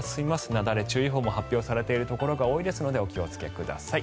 雪崩注意報も発表されているところが多いですのでお気をつけください。